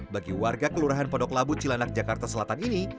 bagi warga kelurahan podok labu cilanak jakarta selatan ini